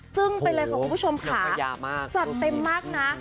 ซึ่งไปเลยค่ะคุณผู้ชมค่ะจัดเต็มมากนะ